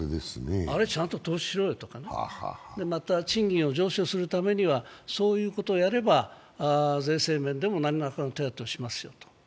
あれをちゃんと投資しろよとか、また賃金を上昇ということでそういうことをやれば税制面でも何らかの手当てをしますよと。